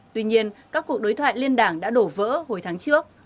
tuy nhiên các cuộc đối thoại liên đảng đã đổ vỡ hồi tháng trước